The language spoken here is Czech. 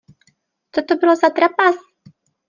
Co to bylo za trapas?